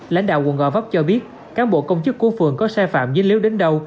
lãnh đạo quận gò vấp cho biết cán bộ công chức của phường có sai phạm dưới lếu đến đâu